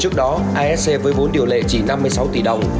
trước đó asc với vốn điều lệ chỉ năm mươi sáu tỷ đồng